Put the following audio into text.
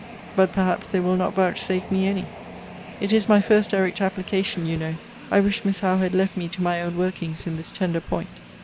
But, perhaps, they will not vouchsafe me any. It is my first direct application, you know. I wish Miss Howe had left me to my own workings in this tender point.